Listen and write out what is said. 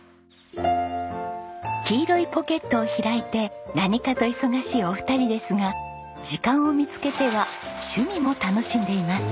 きいろいポケットを開いて何かと忙しいお二人ですが時間を見つけては趣味も楽しんでいます。